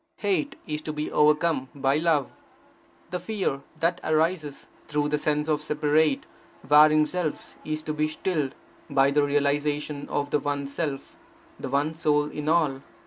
Hate is to be overcome by love. The fear that arises through the sense of separate, warring selves is to be stilled by the realization of the One Self, the one soul in all.